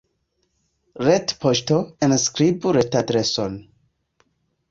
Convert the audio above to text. Retpoŝto Enskribu retadreson.